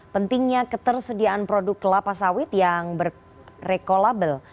pentingnya ketersediaan produk kelapa sawit yang berrekolabel